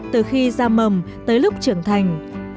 từ khi ra mầm tới lúc trưởng thành